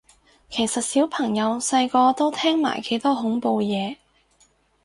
其實小朋友細個都聽埋幾多恐怖嘢